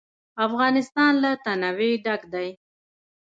افغانستان له تنوع ډک دی.